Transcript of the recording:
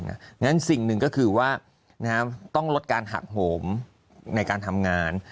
สิ่งหนึ่งก็คือว่าต้องลดการหักโหมในการทำงาน